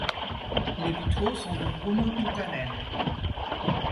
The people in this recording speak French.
Les vitraux sont de Bruno Tuukkanen.